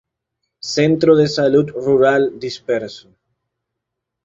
Centro de Salud Rural Disperso.